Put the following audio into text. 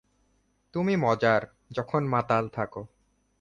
তুমি মজার যখন মাতাল থাকো।